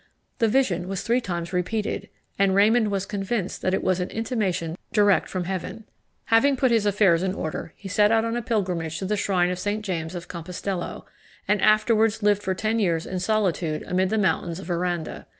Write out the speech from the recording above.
The vision was three times repeated, and Raymond was convinced that it was an intimation direct from heaven. Having put his affairs in order, he set out on a pilgrimage to the shrine of St. James of Compostello, and afterwards lived for ten years in solitude amid the mountains of Aranda.